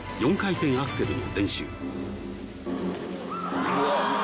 ４回転アクセルの練習わぁ！